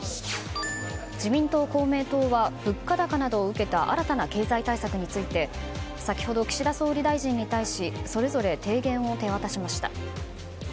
自民党、公明党は物価高などを受けた新たな経済対策について先ほど岸田総理大臣に対しそれぞれ提言を手渡しました。